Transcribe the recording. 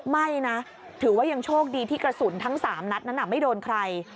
ไม่นะถือว่ายังโชคดีที่กระสุนทั้ง๓นัดนั้นไม่โดนใคร